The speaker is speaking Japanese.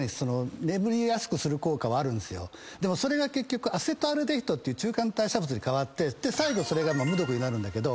でもそれが結局アセトアルデヒドっていう中間代謝物に変わって最後それが無毒になるんだけど。